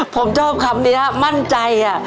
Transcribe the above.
ผมชอบคำนี้มั่นใจ